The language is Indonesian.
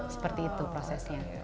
seperti itu prosesnya